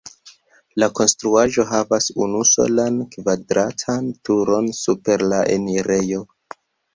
La konstruaĵo havas unusolan kvadratan turon super la enirejo.